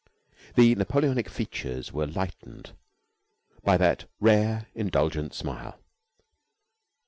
The Napoleonic features were lightened by that rare, indulgent smile.